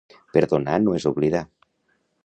Perdonar no és oblidar.